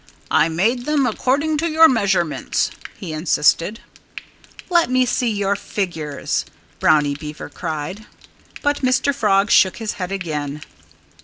"I made them according to your measurements," he insisted. "Let me see your figures!" Brownie Beaver cried. But Mr. Frog shook his head again.